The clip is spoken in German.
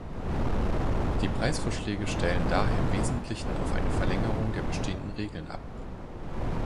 Die Preisvorschläge stellen daher im wesentlichen auf eine Verlängerung der bestehenden Regeln ab.